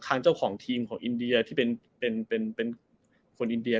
ทางเจ้าของทีมของอินเดียที่เป็นคนอินเดีย